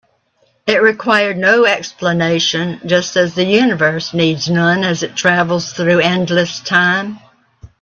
It required no explanation, just as the universe needs none as it travels through endless time.